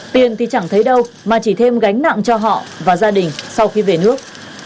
tiền thì chẳng thấy đâu mà chỉ thêm gánh nặng cho họ và gia đình sau khi về nước